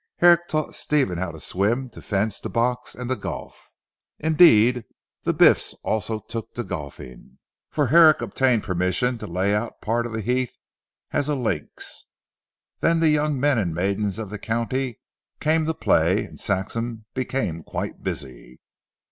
Herrick taught Stephen how to swim, to fence, to box, and to golf. Indeed the Biffs also took to golfing, for Herrick obtained permission to lay out part of the heath as a links. Then the young men and maidens of the county came to play and Saxham became quite busy.